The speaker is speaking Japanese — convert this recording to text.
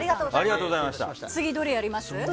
次どれやります？